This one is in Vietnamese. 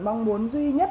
mong muốn duy nhất